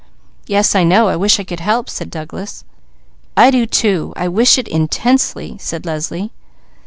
"Yes I know! I wish I could help!" said Douglas. "I do too! I wish it intensely," said Leslie.